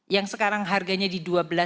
yang sekarang harganya di dua belas lima ratus